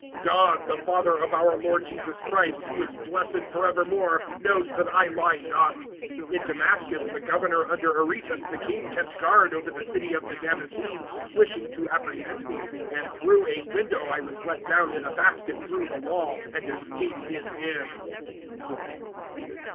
(31)God, the Father of our Lord Jesus Christ, who is blessed forevermore, knows that I lie not. (32)In Damascus, the governor under Aretas the king kept guard over the city of the Damascenes, wishing to apprehend me; (33)and through a window I was let down in a basket through the wall, and escaped his hands.